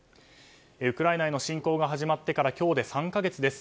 ウクライナへの侵攻が始まってから今日で３か月です。